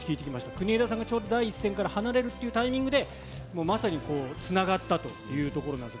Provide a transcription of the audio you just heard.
国枝さんがちょうど第一線から離れるっていうタイミングで、まさにつながったというところなんです。